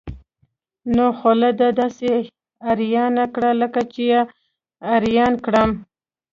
نو خولي ده داسې اریان کړه لکه زه چې اریان کړم.